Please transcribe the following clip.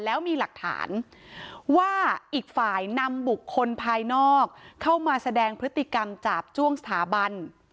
แล้วมีหลักฐานว่าอีกฝ่ายนำบุคคลภายนอกเข้ามาแสดงพฤติกรรมจาบจ้วงสถาบัน